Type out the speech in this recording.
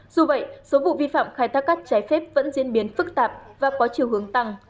dù vậy số vụ vi phạm khai thác cát trái phép vẫn diễn biến phức tạp và có chiều hướng tăng